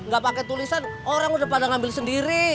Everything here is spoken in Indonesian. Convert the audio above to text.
gak pakai tulisan orang udah pada ngambil sendiri